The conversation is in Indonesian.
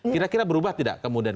kira kira berubah tidak kemudian